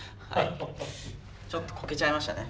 ちょっとこけちゃいましたね。